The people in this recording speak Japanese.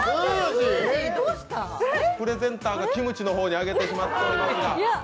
プレゼンターがキムチの方に上げてしまっていますが。